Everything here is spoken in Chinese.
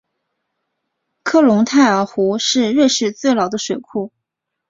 克隆泰尔湖是瑞士最老的水库。